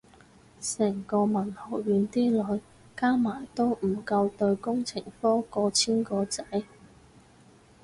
成個文學院啲女加埋都唔夠對工程科過千個仔